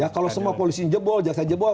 kalau semua polisi jebol jasa jebol